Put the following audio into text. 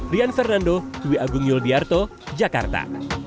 rian fernando tui agung yulbiarto jakarta